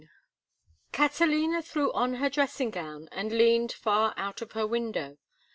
IX Catalina threw on her dressing gown and leaned far out of her window.